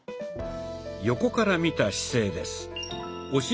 横から見た姿勢です。